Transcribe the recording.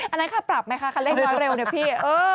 อันนั้นค่าปรับไหมคะคันเร่งร้อยเร็วเนี่ยพี่